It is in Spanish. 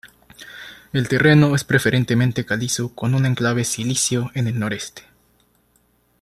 El terreno es preferentemente calizo, con un enclave silíceo en el noreste.